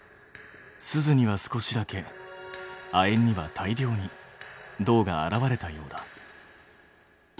スズには少しだけ亜鉛には大量に銅が現れたようだ。